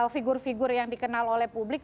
figur figur yang dikenal oleh publik